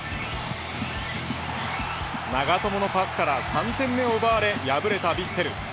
長友のパスから３点目を奪われ敗れたヴィッセル。